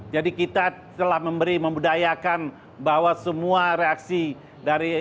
jadi kita telah memberi memudayakan bahwa semua reaksi dari